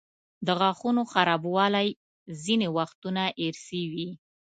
د غاښونو خرابوالی ځینې وختونه ارثي وي.